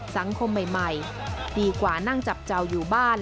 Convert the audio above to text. สังคมใหม่ดีกว่านั่งจับเจ้าอยู่บ้าน